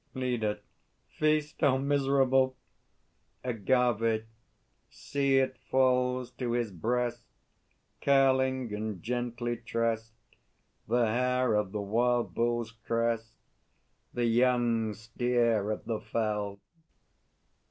LEADER. Feast! O miserable! AGAVE. See, it falls to his breast, Curling and gently tressed, The hair of the Wild Bull's crest The young steer of the fell!